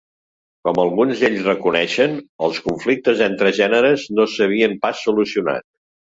Com alguns d'ells reconeixien, els conflictes entre gèneres no s'havien pas solucionat.